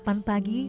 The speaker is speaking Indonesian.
katanya boleh ikut